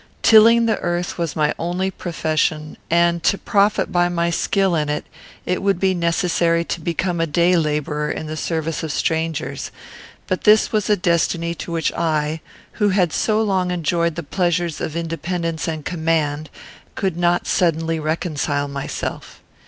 Tilling the earth was my only profession, and, to profit by my skill in it, it would be necessary to become a day labourer in the service of strangers; but this was a destiny to which I, who had so long enjoyed the pleasures of independence and command, could not suddenly reconcile myself.